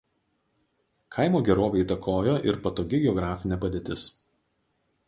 Kaimo gerovę įtakojo ir patogi geografinė padėtis.